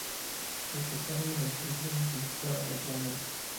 Este cambio de actriz fue justificado en la trama.